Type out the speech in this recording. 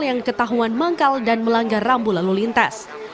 yang ketahuan manggal dan melanggar rambu lalu lintas